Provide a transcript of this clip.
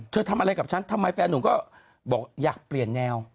ทำอะไรกับฉันทำไมแฟนหนุ่มก็บอกอยากเปลี่ยนแนว